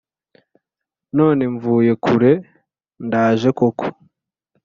none mvuye kure ndaje koko